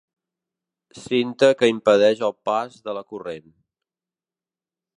Cinta que impedeix el pas de la corrent.